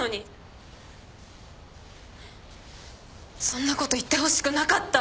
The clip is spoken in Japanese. そんなこと言ってほしくなかった。